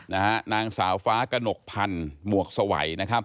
นะฮะนางสาวฟ้ากระหนกพันธ์หมวกสวัย